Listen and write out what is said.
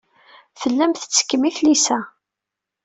Tellam tettekkem i tlisa.